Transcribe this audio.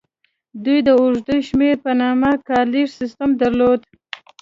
دوی د اوږدې شمېرنې په نامه کالیز سیستم درلود